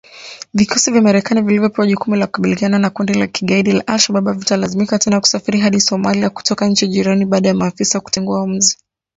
Vikosi vya Marekani vilivyopewa jukumu la kukabiliana na kundi la kigaidi la al-Shabab havitalazimika tena kusafiri hadi Somalia kutoka nchi jirani baada ya maafisa kutengua uamuzi